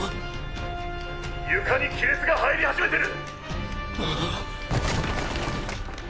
床に亀裂が入り始めてる。